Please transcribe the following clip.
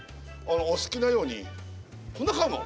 お好きなように。